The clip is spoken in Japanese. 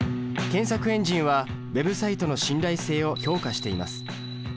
検索エンジンはＷｅｂサイトの信頼性を評価しています。